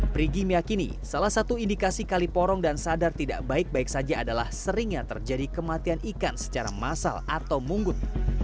perigi meyakini salah satu indikasi kali porong dan sadar tidak baik baik saja adalah seringnya terjadi kematian ikan secara massal atau munggut